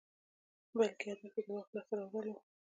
بلکې هدف یې د واک لاسته راوړل وو.